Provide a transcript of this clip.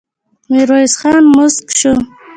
ميرويس خان موسک شو.